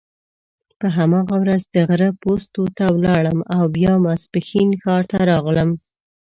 په هماغه ورځ د غره پوستو ته ولاړم او بیا ماپښین ښار ته راغلم.